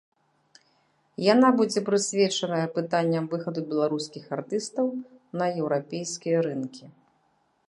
Яна будзе прысвечаная пытанням выхаду беларускіх артыстаў на еўрапейскія рынкі.